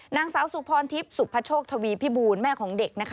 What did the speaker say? นางสาวสุพรทิพย์สุพโชคทวีพิบูลแม่ของเด็กนะคะ